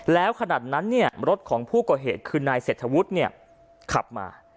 แล้วขนาดนั้นเนี่ยรถของผู้ก่อเหตุคือนายเศรษฐวุฒิเนี่ยขับมา